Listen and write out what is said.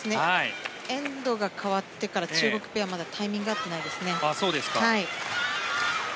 エンドが変わってから中国ペアはまだタイミングが合ってないですね。